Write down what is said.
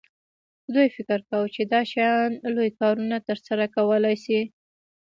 دوی فکر کاوه چې دا شیان لوی کارونه ترسره کولی شي